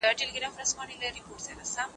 تعلیم به راتلونکې روښانه کړې وي.